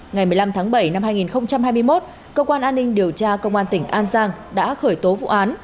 ngày một mươi năm tháng bảy năm hai nghìn hai mươi một cơ quan an ninh điều tra công an tỉnh an giang đã khởi tố vụ án